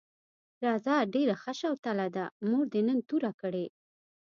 راځه ډېره ښه شوتله ده، مور دې نن توره کړې.